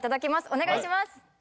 お願いします